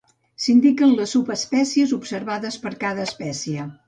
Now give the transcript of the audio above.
S'indiquen les subespècies observades per cada espècie.